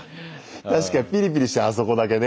確かにピリピリしてあそこだけね。